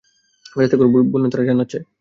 ফেরেশতাগণ বলেনঃ তারা জান্নাত চায়।